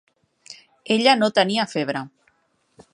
Ella no tenia febre.